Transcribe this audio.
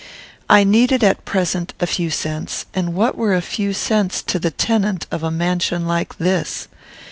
I needed at present a few cents; and what were a few cents to the tenant of a mansion like this?